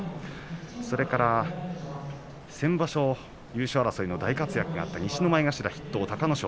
それから先場所優勝争いの大活躍があった西の前頭隆の勝。